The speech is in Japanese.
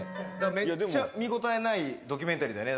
めっちゃ見応えないドキュメンタリーだよね。